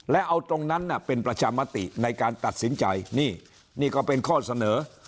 และเอาตรงนั้นน่ะเป็นประชามติในการตัดสินใจนี่นี่ก็เป็นข้อเสนอ